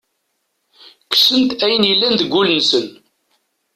Kksen-d ayen yellan deg ul-nsen.